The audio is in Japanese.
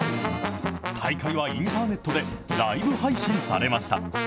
大会はインターネットでライブ配信されました。